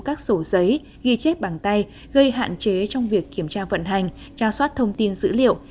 các sổ giấy ghi chép bằng tay gây hạn chế trong việc kiểm tra vận hành tra soát thông tin dữ liệu